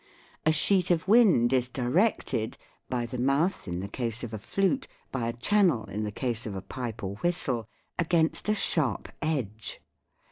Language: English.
A sheet of wind is directed by the mouth in the case of a flute, by a channel in the case of a pipe or whistle against a sharp edge.